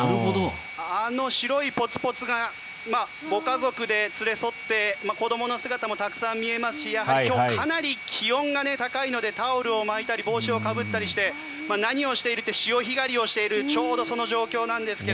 あの白いポツポツがご家族で連れ添って子どもの姿もたくさん見えますし今日、かなり気温が高いのでタオルを巻いたり帽子をかぶったりして何をしているって潮干狩りをしているちょうどその状況なんですが。